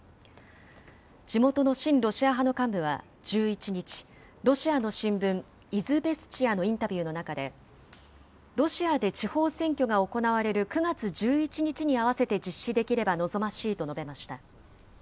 地元の親ロシア派の幹部は１１日、ロシアの新聞イズベスチヤのインタビューの中で、ロシアで地方選挙が行われる９月１１日に合わせて実施できれば望ましいと述べました。